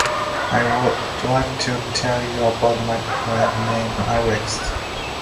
I would like to tell you about my friend named Alex.